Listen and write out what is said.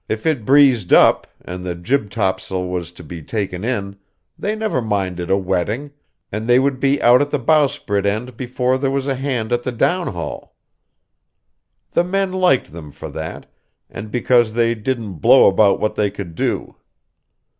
If it breezed up, and the jibtopsail was to be taken in, they never minded a wetting, and they would be out at the bowsprit end before there was a hand at the downhaul. The men liked them for that, and because they didn't blow about what they could do.